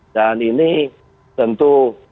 dan ini tentu